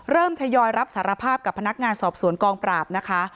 ทยอยรับสารภาพกับพนักงานสอบสวนกองปราบนะคะ